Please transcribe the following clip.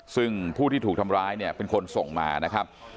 ซึ่งผู้ที่ถูกทำร้ายเนี่ยเป็นคนส่งมานะครับ